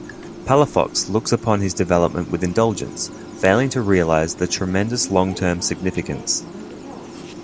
Palafox looks upon this development with indulgence, failing to realize the tremendous long-term significance.